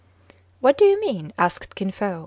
"What do you mean V^ asked Kin Fo.